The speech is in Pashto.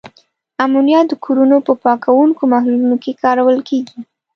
امونیا د کورونو په پاکوونکو محلولونو کې کارول کیږي.